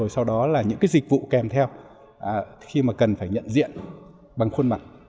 sau đó là những dịch vụ kèm theo khi mà cần phải nhận diện bằng khuôn mặt